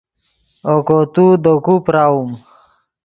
اوکو تو دے کو پراؤم